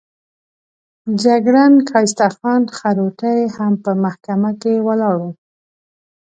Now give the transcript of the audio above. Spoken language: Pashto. جګړن ښایسته خان خروټی هم په محکمه کې ولاړ وو.